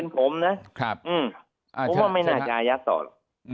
ผมว่ามันไม่น่าจะย่าสอบ